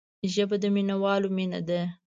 ژبه د مینوالو مینه ده